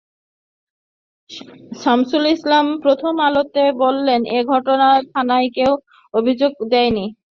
শামসুল ইসলাম প্রথম আলোকে বলেন, এ ঘটনায় থানায় কেউ অভিযোগ দেয়নি।